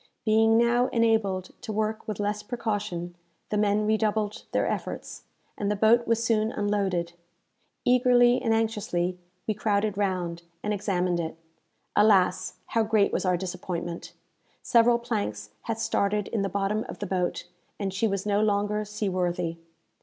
Being now enabled to work with less precaution, the men redoubled their efforts, and the boat was soon unloaded. Eagerly and anxiously we crowded round, and examined it. Alas, how great was our disappointment! Several planks had started in the bottom of the boat, and she was no longer sea worthy.